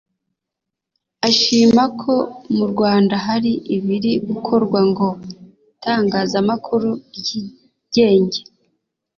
ashima ko mu Rwanda hari ibiri gukorwa ngo itangazamakuru ryigenge